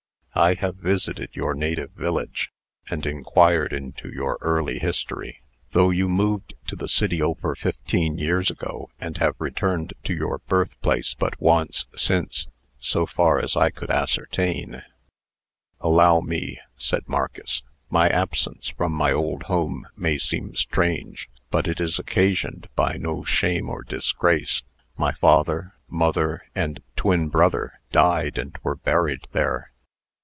I have visited your native village, and inquired into your early history. Though you moved to the city over fifteen years ago, and have returned to your birthplace but once since, so far as I could ascertain " "Allow me," said Marcus. "My absence from my old home may seem strange, but it is occasioned by no shame or disgrace. My father, mother, and twin brother died and were buried there.